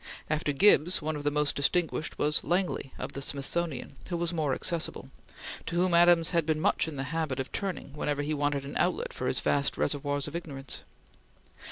After Gibbs, one of the most distinguished was Langley, of the Smithsonian, who was more accessible, to whom Adams had been much in the habit of turning whenever he wanted an outlet for his vast reservoirs of ignorance.